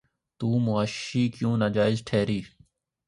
تو معاشی کیوں ناجائز ٹھہری؟